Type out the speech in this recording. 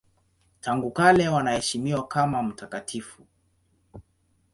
Tangu kale wanaheshimiwa kama mtakatifu.